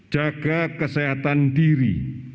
jaga kesehatan diri